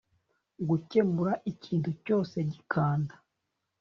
Gukemura ikintu cyose gikanda